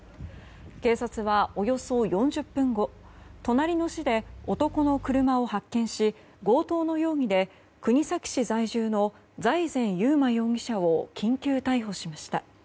警察はおよそ４０分後隣の市で男の車を発見し強盗の容疑で国東市在住の財前侑馬容疑者を緊急逮捕しました。